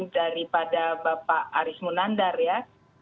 daripada bapak aris munandar ya